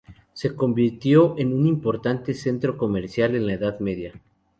Se convirtió en un importante centro comercial en la Edad Media.